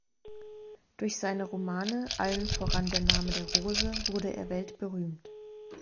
Durch seine Romane, allen voran "Der Name der Rose", wurde er weltberühmt.